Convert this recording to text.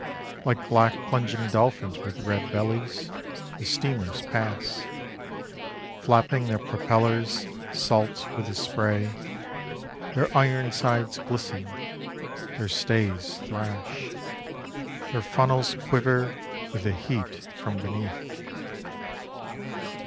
Like black plunging dolphins with red bellies, The steamers pass, Flapping their propellers Salt with the spray. Their iron sides glisten, Their stays thrash: Their funnels quiver With the heat from beneath.